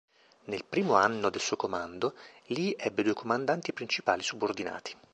Nel primo anno del suo comando, Lee ebbe due comandanti principali subordinati.